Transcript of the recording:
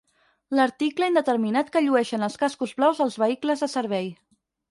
L'article indeterminat que llueixen els cascos blaus als vehicles de servei.